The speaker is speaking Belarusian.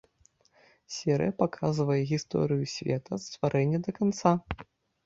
Серыя паказвае гісторыю света ад стварэння да канца.